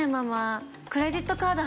クレジットカード